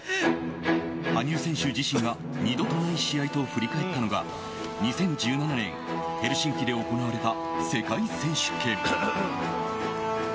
羽生選手自身が二度とない試合と振り返ったのが２０１７年ヘルシンキで行われた世界選手権。